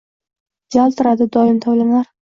Yaltirardi, doim tovlanar